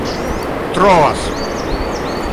trovas